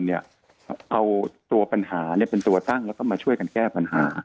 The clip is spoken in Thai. เอาตัวปัญหาเป็นตัวตั้งแล้วก็มาช่วยกันแก้ปัญหา